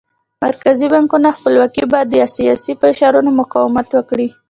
مرکزي بانکونو خپلواکي به د سیاسي فشارونو مقاومت وکړي.